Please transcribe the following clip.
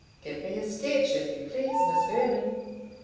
"Give me a sketch, if you please, Miss Vernon."